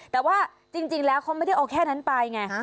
แต่ว่าจริงแล้วเขาไม่ได้เอาแค่นั้นไปไง